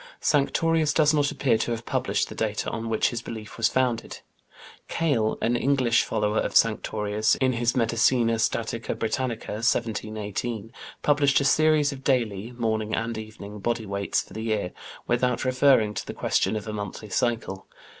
" Sanctorius does not appear to have published the data on which his belief was founded. Keill, an English, follower of Sanctorius, in his Medicina Statica Britannica (1718), published a series of daily (morning and evening) body weights for the year, without referring to the question of a monthly cycle.